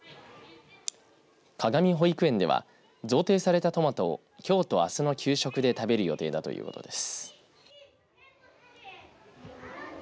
鏡保育園では贈呈されたトマトをきょうとあすの給食で食べる予定だということです。